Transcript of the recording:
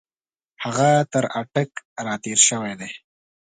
هغه تر اټک را تېر شوی دی.